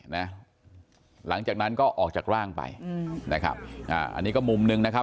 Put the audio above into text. หลังจากนั้นก็ออกจากร่างไปอืมนะครับอ่าอันนี้ก็มุมหนึ่งนะครับ